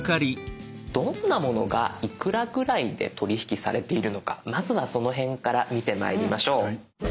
どんなものがいくらぐらいで取り引きされているのかまずはその辺から見てまいりましょう。